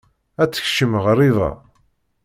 ad tekcem ɣriba.